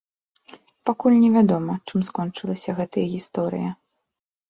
Пакуль невядома, чым скончылася гэтая гісторыя.